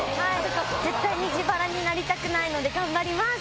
絶対に自腹になりたくないので頑張ります！